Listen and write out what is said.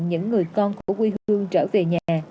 những người con của quê hương trở về nhà